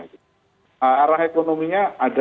nah arah ekonominya ada